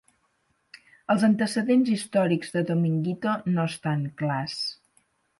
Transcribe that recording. Els antecedents històrics de Dominguito no estan clars.